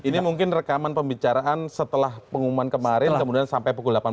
ini mungkin rekaman pembicaraan setelah pengumuman kemarin kemudian sampai pukul delapan belas